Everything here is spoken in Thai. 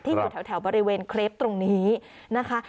อยู่แถวบริเวณเครปตรงนี้นะคะ